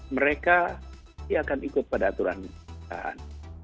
mereka akan ikut pada aturan